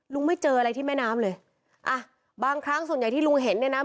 ไม่เจออะไรที่แม่น้ำเลยอ่ะบางครั้งส่วนใหญ่ที่ลุงเห็นเนี่ยนะ